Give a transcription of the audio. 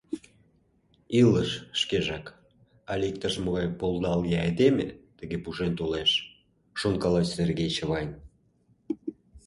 Илыш шкежак але иктаж-могай полдалге айдеме тыге пужен толеш?» — шонкала Сергей Чавайн.